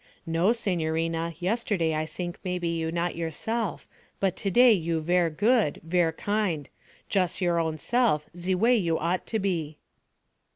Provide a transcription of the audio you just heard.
'No, signorina, yesterday I sink maybe you not yourself, but to day you ver' good, ver' kind jus' your own self ze way you ought to be.'